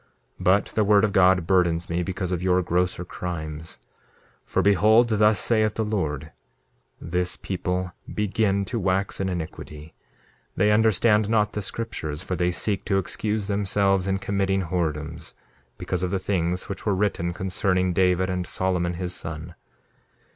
2:23 But the word of God burdens me because of your grosser crimes. For behold, thus saith the Lord: This people begin to wax in iniquity; they understand not the scriptures, for they seek to excuse themselves in committing whoredoms, because of the things which were written concerning David, and Solomon his son.